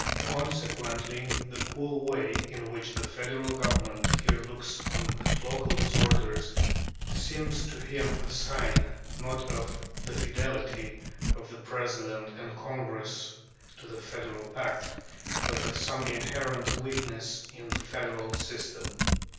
Consequently the cool way in which the Federal Government here looks on at local disorders seems to him a sign, not of the fidelity of the President and Congress to the federal pact, but of some inherent weakness in the federal system.